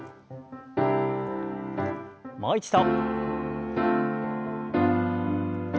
もう一度。